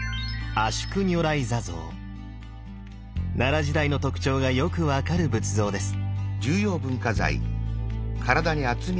奈良時代の特徴がよく分かる仏像です。